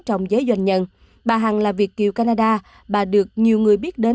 trong giới doanh nhân bà hằng là việt kiều canada bà được nhiều người biết đến